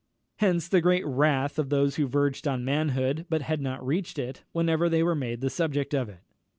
Hence the great wrath of those who verged on manhood, but had not reached it, whenever they were made the subject of it.